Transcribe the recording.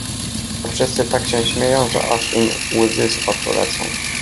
A wszyscy tak się śmieją, aż im łzy z oczu lecą.